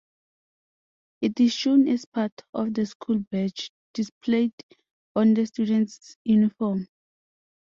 It is shown as part of the school badge, displayed on the students' uniform.